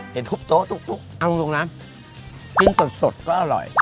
เห็นทุบโต๊ะทุบทุบเอาลงตรงนั้นกินสดสดก็อร่อย